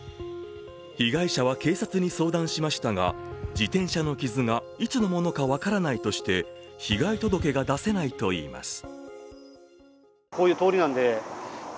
被害者は警察に相談しましたが自転車の傷がいつのものか分からないとして被害届が出せないとしています。